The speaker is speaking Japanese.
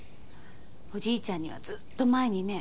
おじいちゃんにはずっと前にね